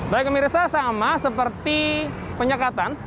baik pemirsa sama seperti penyekatan